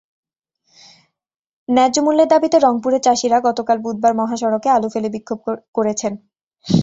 ন্যায্য মূল্যের দাবিতে রংপুরের চাষিরা গতকাল বুধবার মহাসড়কে আলু ফেলে বিক্ষোভ করেছেন।